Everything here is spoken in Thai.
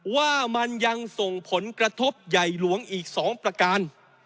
ว่ามันยังส่งผลกระทบใหญ่หลวงอีก๒ประการ